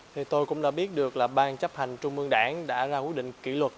thì tôi cũng đã biết được là ban chấp hành trung mương đảng đã ra quyết định kỷ luật